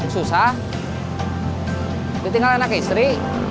susah ditinggal anak istri